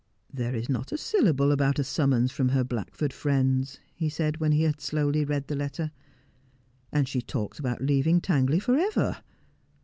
'There is not a syllable about a summons from her Black ford friends,' he said when he had slowly read the letter. 'And she talks about leaving Tangley for ever.